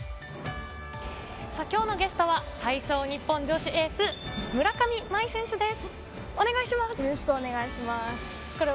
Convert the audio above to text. きょうのゲストは、体操日本女子エース、村上茉愛選手です。